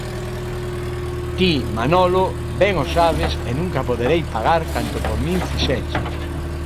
Ti, Manolo, ben o sabes e nunca poderei pagar canto por min fixeches.